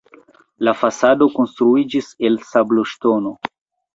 La fasado konstruiĝis el sabloŝtono.